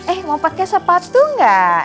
eh mau pakai sepatu nggak